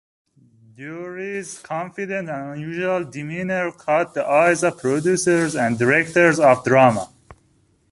Dury's confident and unusual demeanour caught the eyes of producers and directors of drama.